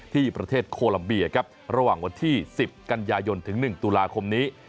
ที่ประเทศโคลัมเบียครับระหว่างวันที่๑๐กันยายนถึง๑ตุลาคมนี้